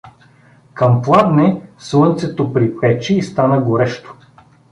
Към пладне слънцето припече и стана горещо.